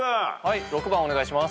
６番お願いします。